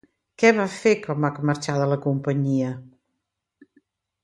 Què va fer quan va marxar de la companyia?